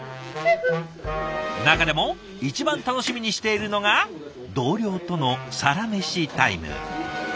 中でも一番楽しみにしているのが同僚とのサラメシタイム。